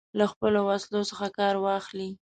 له خپلو وسلو څخه کار واخلي.